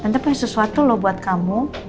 tapi punya sesuatu loh buat kamu